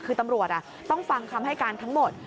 คือตำรวจต้องฟังคำให้การทั้งหมด